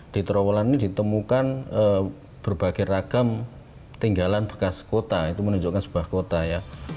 di terowongan ini ditemukan berbagai ragam tinggalan bekas kota itu menunjukkan sebuah kota ya